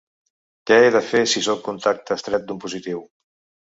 Què he de fer si sóc contacte estret d’un positiu?